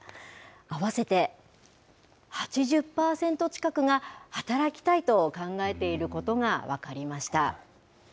合わせて８０％近くが働きたいと考えていることが分かりました。